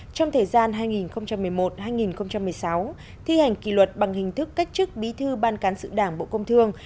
trong thời gian hai nghìn một mươi một hai nghìn một mươi sáu thi hành kỷ luật bằng hình thức cách chức bí thư ban cán sự đảng bộ công thương